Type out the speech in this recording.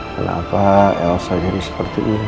kenapa saya jadi seperti ini